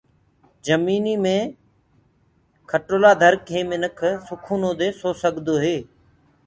جمينيٚ مي کٽولآ ڌرڪي منک سڪونو دي سو سگدوئي